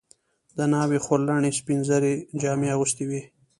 د ناوې خورلڼې سپین زري جامې اغوستې وې.